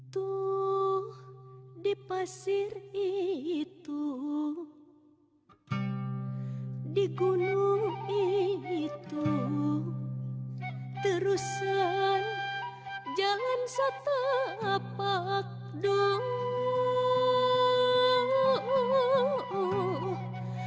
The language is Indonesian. tuh di pasir itu di gunung itu terusan jangan setapak doh